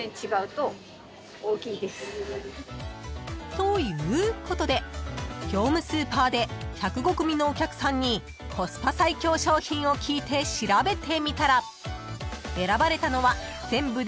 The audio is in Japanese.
［ということで業務スーパーで１０５組のお客さんにコスパ最強商品を聞いて調べてみたら選ばれたのは全部で６６種類］